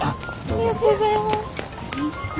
ありがとうございます。